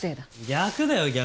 逆だよ逆！